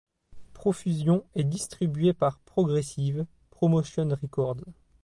Profusion est distribué par Progressive Promotion Records.